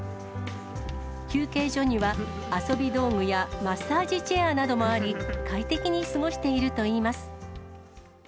休憩所には、遊び道具やマッサージチェアなどもあり、快適に過ごしているといいます。